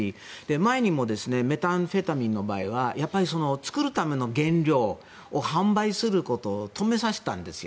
前にもメタンフェタミンの場合は作るための原料を販売することを止めさせたんですよ。